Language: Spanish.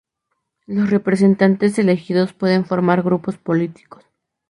Los representantes elegidos pueden formar grupos políticos.